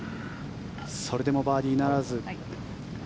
それでもバーディーならず。